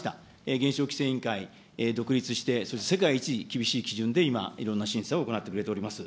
原子力規制委員会、独立して、そして世界一厳しい基準で今、いろんな審査を行ってくれております。